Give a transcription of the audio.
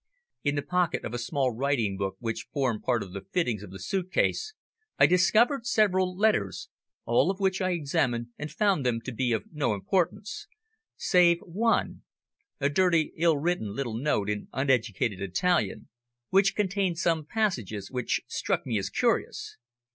In the pocket of a small writing book which formed part of the fittings of the suit case I discovered several letters, all of which I examined and found them to be of no importance save one, a dirty, ill written note in uneducated Italian, which contained some passages which struck me as curious.